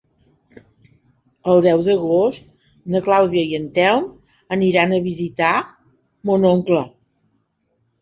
El deu d'agost na Clàudia i en Telm aniran a visitar mon oncle.